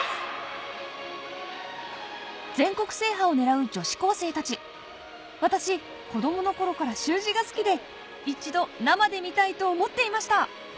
全国制覇を狙う女子高生たち私子どもの頃から習字が好きで一度生で見たいと思っていました